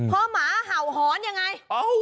พอหมาเห่าหอนยังไง